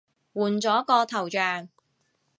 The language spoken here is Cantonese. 換咗個頭像